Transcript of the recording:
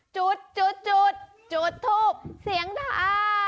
จุดจุดจุดจุดถูบเสียงด่า